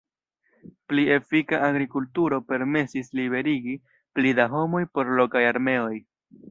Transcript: Pli efika agrikulturo permesis liberigi pli da homoj por lokaj armeoj.